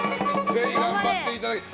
ぜひ頑張っていただいて。